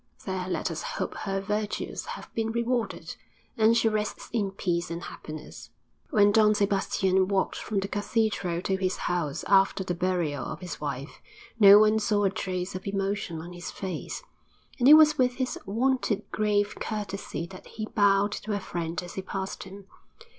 There let us hope her virtues have been rewarded, and she rests in peace and happiness. IV When Don Sebastian walked from the cathedral to his house after the burial of his wife, no one saw a trace of emotion on his face, and it was with his wonted grave courtesy that he bowed to a friend as he passed him.